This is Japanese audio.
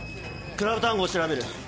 クラブ・タンゴを調べる。